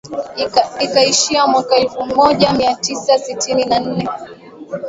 ikaishia mwaka elfu moja mia tisa sitini na nne